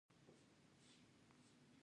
تنظیم ښه دی.